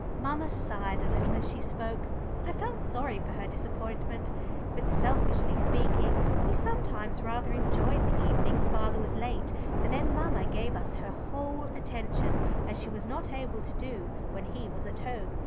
Mamma sighed a little as she spoke. I felt sorry for her disappointment, but, selfishly speaking, we sometimes rather enjoyed the evenings father was late, for then mamma gave us her whole attention, as she was not able to do when he was at home.